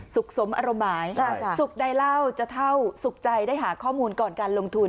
สุขสมอรมหมายสุขใดเล่าจะเท่าสุขใจได้หาข้อมูลก่อนการลงทุน